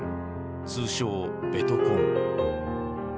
通称「ベトコン」。